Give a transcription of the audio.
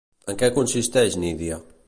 En què consisteix Nydia?